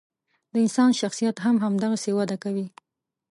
د انسان شخصیت هم همدغسې وده کوي.